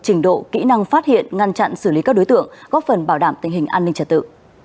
trình độ kỹ năng phát hiện ngăn chặn xử lý các đối tượng góp phần bảo đảm tình hình an ninh trật tự